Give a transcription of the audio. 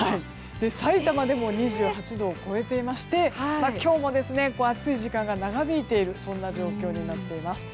さいたまでも２８度を超えていまして今日も暑い時間が長引いているそんな状況になっています。